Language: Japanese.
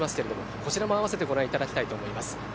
こちらも合わせてご覧いただきたいと思います。